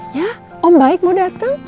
ya om baik mau datang